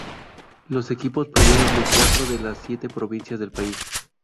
Los equipos provienen de cuatro de las siete provincias del país.